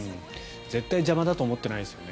絶対邪魔だと思ってないですよね。